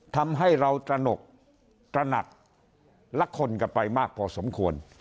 ทำให้เราตระหนกตระหนักและคนกันไปมากพอสมควร